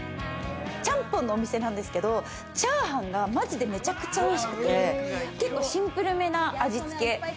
ちゃんぽんのお店なんですけれども、チャーハンがマジでめちゃくちゃおいしくてシンプルめな味付け。